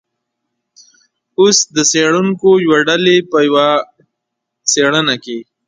اوس د څیړونکو یوې ډلې په یوه څیړنه کې